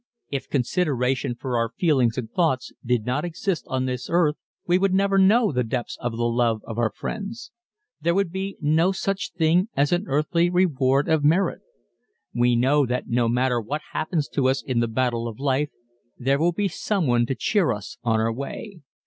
If consideration for our feelings and thoughts did not exist on this earth we would never know the depths of the love of our friends. There would be no such thing as an earthly reward of merit. We know that no matter what happens to us in the battle of life there will be someone to cheer us on our way.